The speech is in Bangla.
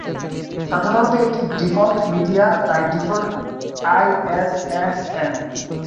সাধারণত এটি "ডিফল্ট মিডিয়া", তাই "ডিফল্ট আইএসএসএন"।